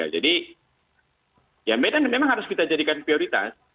jadi ya medan memang harus kita jadikan prioritas